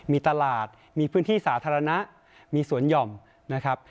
มีตลาดมีพื้นที่สาธารณะมีสวนหย่อมนะครับ